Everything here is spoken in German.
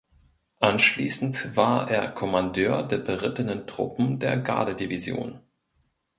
Anschließend war er Kommandeur der berittenen Truppen der Gardedivision.